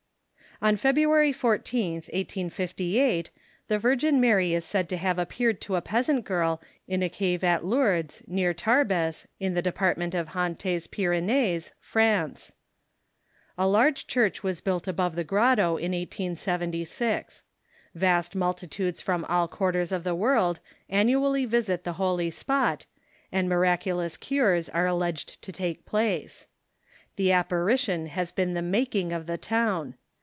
On February 14th, 1858, the Virgin Mary is said to have appeared to a peasant girl in a cave at Lourdes, near Tarbes, in the Department of Hautes Pyrenees, France. A large church was built above the grotto in 1876. Vast multitudes from all quarters of the world annually visit the holy spot, and miracu TnE SURVIVAL OF SUPERSTITION 393 lous cures are alleged to take place. The apparition has been the making of the town.